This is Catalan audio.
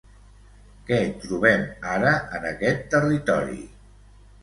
Què trobem ara en aquest territori?